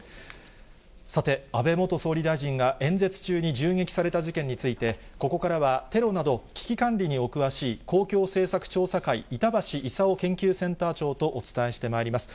さて、安倍元総理大臣が演説中に銃撃された事件について、ここからはテロなど、危機管理にお詳しい公共政策調査会、板橋功研究センター長とお伝えしてまいります。